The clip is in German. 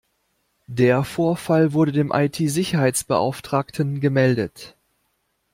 Der Vorfall wurde dem I-T-Sicherheitsbeauftragten gemeldet.